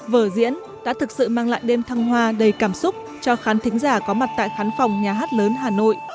vở diễn đã thực sự mang lại đêm thăng hoa đầy cảm xúc cho khán thính giả có mặt tại khán phòng nhà hát lớn hà nội